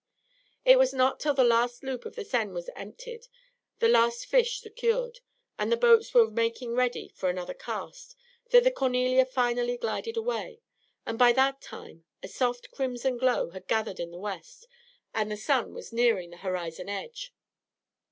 It was not till the last loop of the seine was emptied, the last fish secured, and the boats were making ready for another cast, that the "Cornelia" finally glided away; and by that time a soft crimson glow had gathered in the west and the sun was nearing the horizon edge.